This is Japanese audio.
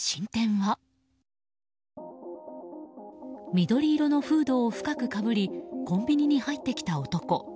緑色のフードを深くかぶりコンビニに入ってきた男。